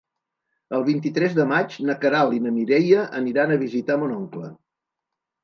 El vint-i-tres de maig na Queralt i na Mireia aniran a visitar mon oncle.